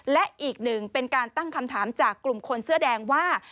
และอีกหนึ่งเป็นการตั้งคำถามจากกลุ่มคนเสื้อแดงว่า